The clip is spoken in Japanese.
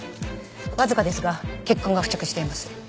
わずかですが血痕が付着しています。